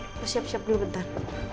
kita siap siap dulu bentar